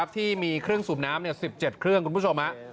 ที่มีเครื่องสูบน้ำ๑๗เครื่องคุณผู้ชม